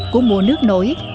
của mùa nước nổi